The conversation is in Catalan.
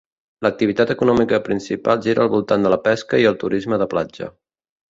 L'activitat econòmica principal gira al voltant de la pesca i el turisme de platja.